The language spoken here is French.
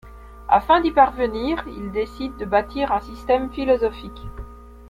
Afin d'y parvenir, il décide de bâtir un système philosophique.